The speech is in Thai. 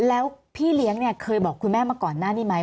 แล้วพี่เลี้ยงเนี่ยเคยบอกคุณแม่มาก่อนหน้านี้ไหม